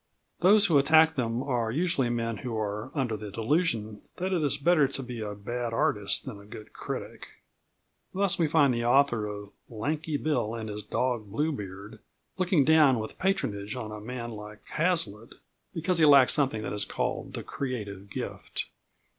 Those who attack them are usually men who are under the delusion that it is better to be a bad artist than a good critic. Thus we find the author of Lanky Bill and His Dog Bluebeard looking down with patronage on a man like Hazlitt, because he lacked something that is called the creative gift.